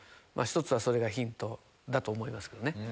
１つはそれがヒントだと思いますけどね。